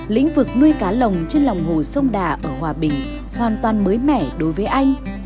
lĩnh vực nuôi cá lồng trên lòng hồ sông đà ở hòa bình hoàn toàn mới mẻ đối với anh